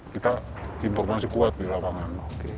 kita informasi kuat di lapangan